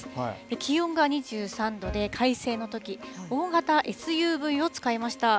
気温が２３度で快晴のとき、大型ＳＵＶを使いました。